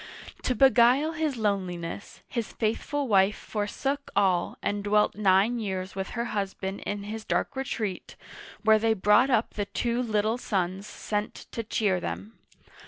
To beguile his loneliness, his faithful wife forsook all and dwelt nine years with her husband in his dark retreat, where they brought up the two little sons sent to cheer them.